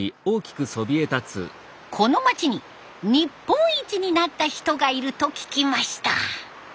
この町に日本一になった人がいると聞きました。